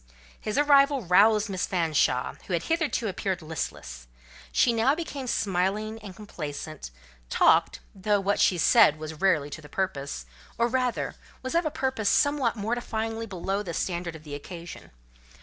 His arrival roused Miss Fanshawe, who had hitherto appeared listless: she now became smiling and complacent, talked—though what she said was rarely to the purpose—or rather, was of a purpose somewhat mortifyingly below the standard of the occasion.